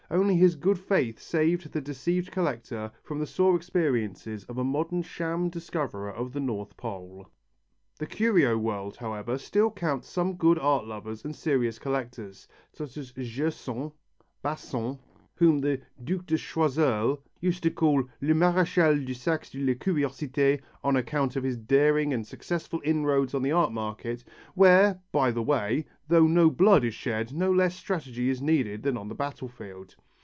Only his good faith saved the deceived collector from the sore experiences of a modern sham discoverer of the North Pole. The curio world, however, still counts some good art lovers and serious collectors, such as Gersaint, Basant, whom the Duc de Choiseul used to call le marechal de Saxe de la curiosité on account of his daring and successful inroads on the art market, where, by the way, though no blood is shed no less strategy is needed than on the battlefield.